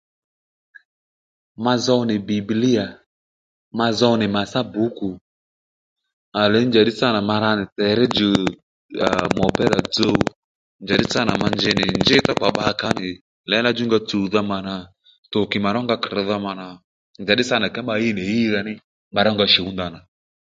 Ma zow nì Bibilia ma zo nì màtsá bǔkù à lee njàddí sânà ma ra nì teré djò àa mupira dzuw njaddí sâ nà ma njey nì njí thókpà bbakà ó nì lěla djúnga tsùwdha mà nà towkì mà rónga krr̀dha múnà njàddí sâ nà kee ma ɦíy nì ɦíydha ní ma rónga shǔ ndanà